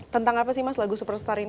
tentang apa sih mas lagu superstar ini